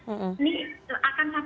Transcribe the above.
ini akan terjadi